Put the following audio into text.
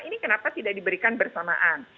ini kenapa tidak diberikan bersamaan